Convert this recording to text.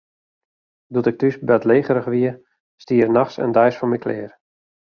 Doe't ik thús bêdlegerich wie, stie er nachts en deis foar my klear.